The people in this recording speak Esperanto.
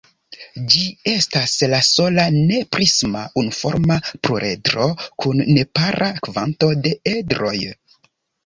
Ĝi estas la sola ne-prisma unuforma pluredro kun nepara kvanto de edroj.